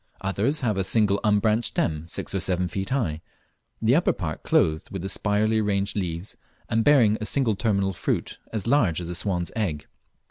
Others have a single unbranched stem, six or seven feet high, the upper part clothed with the spirally arranged leaves, and bearing a single terminal fruit ac large as a swan's egg.